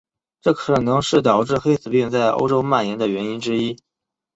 这可能是导致黑死病在欧洲蔓延的原因之一。